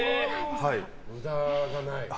無駄がない。